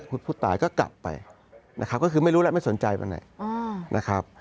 ผู้ตายก็กลับไปนะครับก็คือไม่รู้แล้วไม่สนใจวันไหนนะครับ